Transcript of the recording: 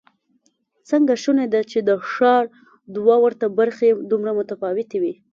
څنګه شونې ده چې د ښار دوه ورته برخې دومره متفاوتې وي؟